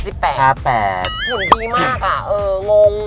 ดีมากอ่ะเอองง